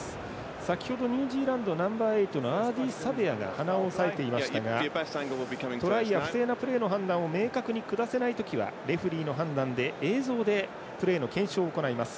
先ほどニュージーランドナンバーエイトのアーディー・サベアが鼻を押さえていましたがトライや不正なプレーの判断を明確に下せない時はレフリーの判断で、映像でプレーの検証を行います。